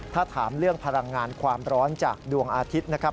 ถ้าถามเรื่องพลังงานความร้อนจากดวงอาทิตย์นะครับ